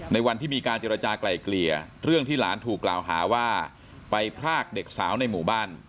วันที่มีการเจรจากลายเกลี่ยเรื่องที่หลานถูกกล่าวหาว่าไปพรากเด็กสาวในหมู่บ้าน